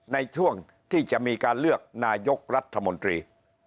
ในช่วงที่จะมีการเลือกนายกรัฐมนตรี